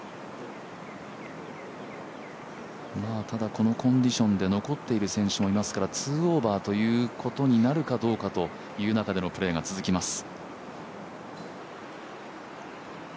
ただ、このコンディションで残っている選手もいますから２オーバーということになるかどうかというプレーが続きます。